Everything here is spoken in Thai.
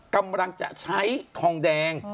กำลังจะใช้ทองแดง